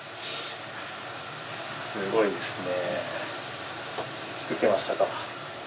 すごいですね。